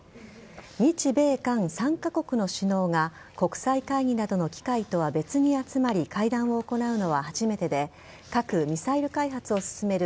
日米韓３カ国の首脳が国際会議などの機会とは別に集まり、会談を行うのは初めてで核・ミサイル開発を進める